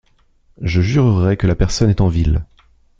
Je jurerais que la personne est en ville.